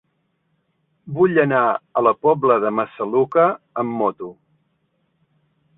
Vull anar a la Pobla de Massaluca amb moto.